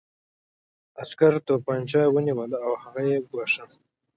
عسکر توپانچه نیولې وه او هغه یې ګواښه